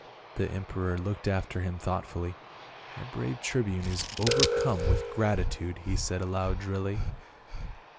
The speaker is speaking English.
The emperor looked after him thoughtfully. " Our brave tribune is overcome with gratitude," he said aloud drily.